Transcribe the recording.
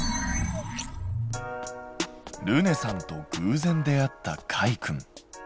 ルネさんとぐうぜん出会ったかいくん。